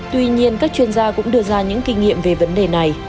tuy nhiên các chuyên gia cũng đưa ra những kinh nghiệm về vấn đề này